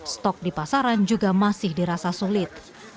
stok di pasaran juga masih dirasa sulit